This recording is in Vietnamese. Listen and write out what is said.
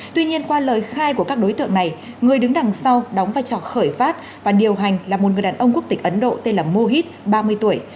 tuy nhiên qua lời khai của các đối tượng này người đứng đằng sau đóng vai trò khởi phát và điều hành là một người đàn ông quốc tịch ấn độ tên là mohid ba mươi tuổi